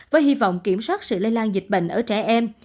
với hy vọng kiểm soát sự lây lan dịch bệnh ở trẻ em